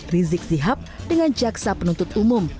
rizik sihab dengan jaksa penuntut umum